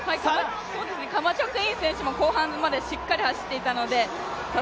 カマチョクイン選手も後半までしっかり走っていました。